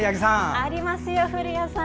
ありますよ、古谷さん。